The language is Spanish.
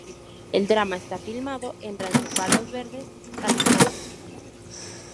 El drama está filmado en Rancho Palos Verdes, California.